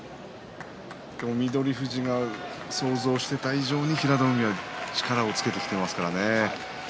でも翠富士が想像していた以上に平戸海は力をつけてきていますから。